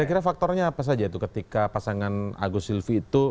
kira kira faktornya apa saja itu ketika pasangan agus silvi itu